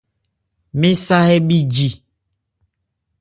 Mɛn sa hɛ bhi ji.